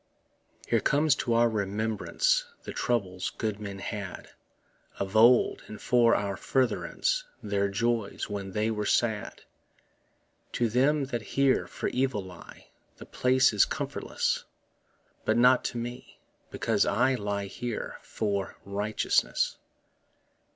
Here comes to our remembrance The troubles good men had Of old, and for our furtherance Their joys when they were sad. To them that here for evil lie The place is comfortless, But not to me, because that I Lie here for righteousness.